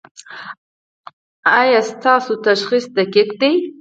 ایا ستاسو تشخیص دقیق دی؟